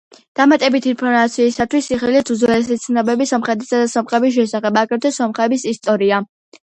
დამატებითი ინფორმაციისათვის იხილეთ უძველესი ცნობები სომხეთის და სომხების შესახებ, აგრეთვე, სომხეთის ისტორია.